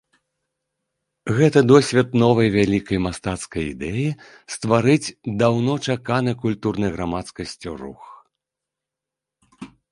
Гэта досвед новай вялікай мастацкай ідэі стварыць даўно чаканы культурнай грамадскасцю рух.